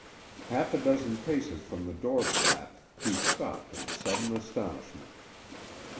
Half a dozen paces from the door flap he stopped in sudden astonishment.